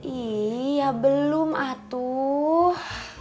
iya belum atuh